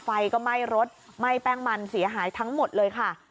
ไฟก็ไหม้รถไหม้แป้งมันเสียหายทั้งหมดเลยค่ะ